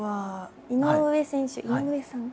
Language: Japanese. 「井上選手」「井上さん」？